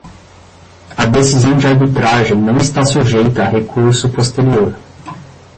A decisão de arbitragem não está sujeita a recurso posterior.